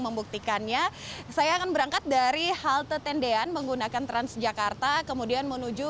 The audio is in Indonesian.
membuktikannya saya akan berangkat dari halte tendean menggunakan transjakarta kemudian menuju